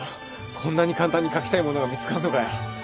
こんなに簡単に書きたいものが見つかんのかよ。